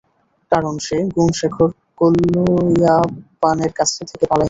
কারণ সে গুনশেখর কোল্লিয়াপ্পানের কাছ থেকে পালায়নি।